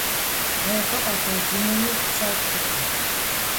Нобэ къэкӀуэжынуми тщӀэртэкъым.